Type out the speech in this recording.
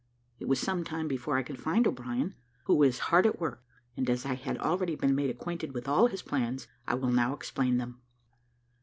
It was some time before I could find O'Brien, who was hard at work; and, as I had already been made acquainted with all his plans, I will now explain them.